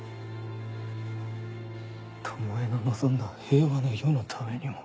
巴の望んだ平和の世のためにも。